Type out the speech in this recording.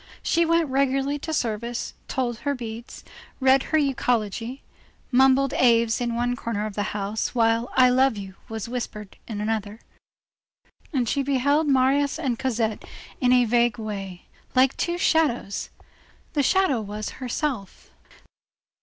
She went regularly to service, told her beads, read her euchology, mumbled Aves in one corner of the house, while I love you was being whispered in the other, and she beheld Marius and Cosette in a vague way, like two shadows. The shadow was herself.